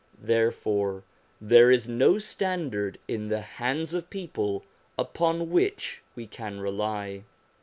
Therefore there is no standard in the hands of people upon which we can rely.